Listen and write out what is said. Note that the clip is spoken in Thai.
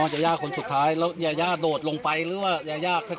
อ๋อยาย่าคนสุดท้ายแล้วยาย่าโดดลงไปหรือว่ายาย่าค่อยค่อยเดินลง